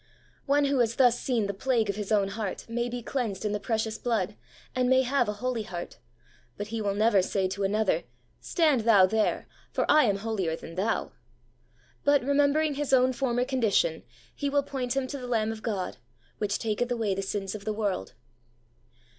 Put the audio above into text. One who has thus seen the plague of his own heart may be cleansed in the precious Blood, and may have a holy heart, but he will never say to another, ' Stand thou there, for I am holier than thou '; but. 54 THE WAY OF HOLINESS rememberingf his own former condition, he will point him to the Lamh of God, which taketh away the sins of the world.